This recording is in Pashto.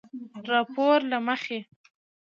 راپورله مخې